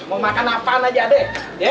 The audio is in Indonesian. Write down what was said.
mau makan apaan aja deh